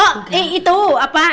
oh eh itu apa